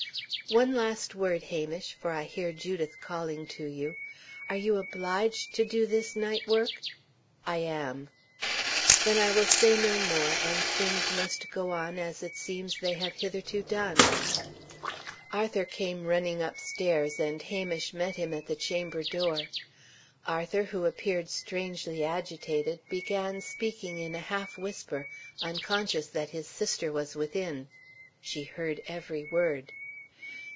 "One last word, Hamish, for I hear Judith calling to you. Are you obliged to do this night work?" "I am." "Then I will say no more; and things must go on as it seems they have hitherto done." Arthur came running upstairs, and Hamish met him at the chamber door. Arthur, who appeared strangely agitated, began speaking in a half whisper, unconscious that his sister was within. She heard every word.